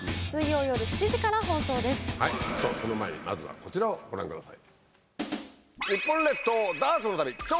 とその前にまずはこちらをご覧ください。